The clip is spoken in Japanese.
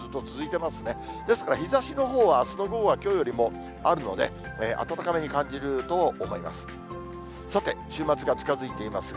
ですから、日ざしのほうはあすの午後はきょうよりもあるので、暖かめに感じると思います。